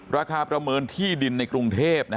ประเมินที่ดินในกรุงเทพ